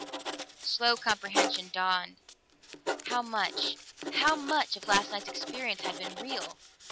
Slow comprehension dawned; how much how much of last night's experience had been real?